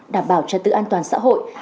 đảm bảo trật tự an toàn xã hội